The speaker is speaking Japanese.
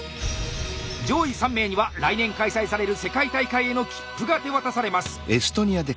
上位３名には来年開催される世界大会への切符が手渡されます。